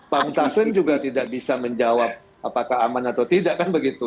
pak muntasin juga tidak bisa menjawab apakah aman atau tidak kan begitu